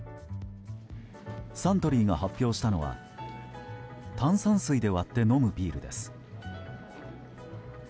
サントリーが発表したのは炭酸水で割って飲むビールです。